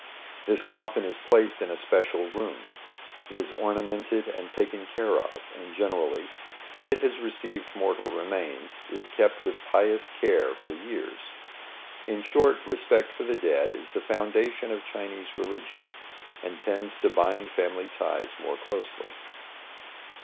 This coffin is placed in a special room. It is ornamented and taken care of, and generally, when it has received mortal remains, is kept with pious care for years. In short, respect for the dead is the foundation of Chinese religion, and tends to bind family ties more closely.